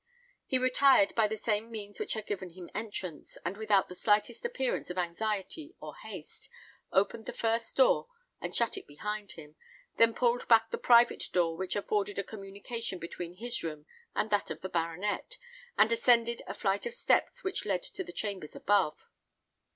He retired by the same means which had given him entrance; and without the slightest appearance of anxiety or haste, opened the first door and shut it behind him, then pulled back the private door which afforded a communication between his room and that of the baronet, and ascended a flight of steps which led to the chambers above.